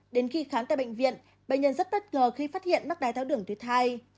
đến khi khám tại bệnh viện bệnh nhân rất bất ngờ khi phát hiện mắc đai tháo đường thứ hai